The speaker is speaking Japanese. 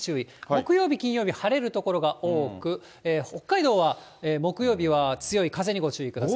木曜日、金曜日、晴れる所が多く、北海道は木曜日は強い風にご注意ください。